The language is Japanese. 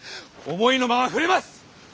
思いのまま振れます！